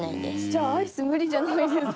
じゃあアイス無理じゃないですか。